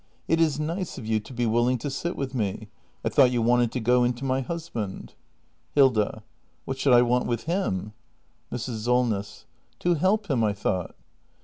] It is nice of you to be willing to sit with me. I thought you wanted to go in to my husband. Hilda. What should I want with him ? Mrs. Solness. To help him, I thought.